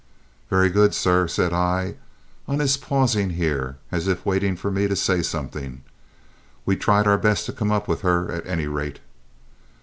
"Very good, sir," said I, on his pausing here, as if waiting for me to say something. "We've tried our best to come up with her, at any rate."